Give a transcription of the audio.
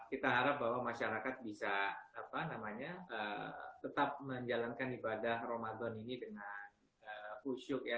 kita harap bahwa masyarakat bisa tetap menjalankan ibadah ramadan ini dengan khusyuk ya